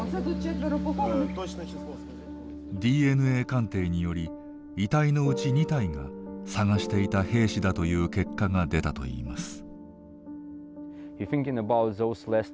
ＤＮＡ鑑定により遺体のうち２体が捜していた兵士だという結果が出たといいます。